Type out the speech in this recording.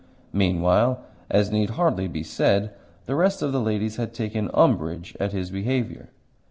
Meanwhile (as need hardly be said) the rest of the ladies had taken umbrage at his behaviour.